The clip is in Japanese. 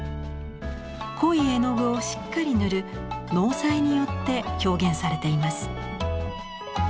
濃い絵の具をしっかり塗る「濃彩」によって表現されています。